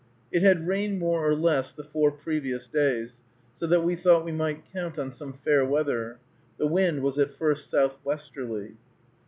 It had rained more or less the four previous days, so that we thought we might count on some fair weather. The wind was at first southwesterly.